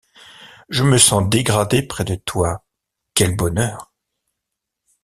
Je me sens dégradée près de toi, quel bonheur!